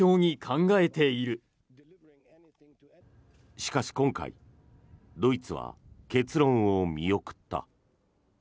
しかし、今回ドイツは結論を見送った。